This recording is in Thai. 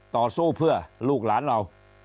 ต่อสู้เพื่อลูกหลานเรา